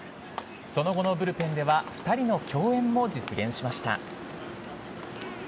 その後のブルペンでは、２人の共演も実現しました。